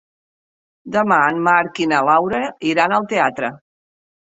Demà en Marc i na Laura iran al teatre.